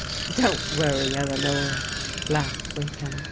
Don't worry, Eleanor," laughed Wakeham.